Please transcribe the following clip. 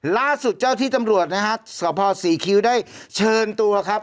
ล่าสุดเจ้าที่ตำรวจนะฮะสภศรีคิ้วได้เชิญตัวครับ